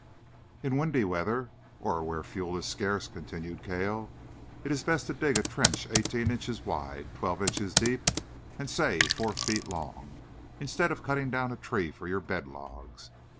"In windy weather, or where fuel is scarce," continued Cale, "it is best to dig a trench eighteen inches wide, twelve inches deep and say four feet long, instead of cutting down a tree for your bed logs.